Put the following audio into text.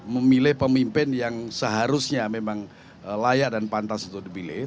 memilih pemimpin yang seharusnya memang layak dan pantas untuk dipilih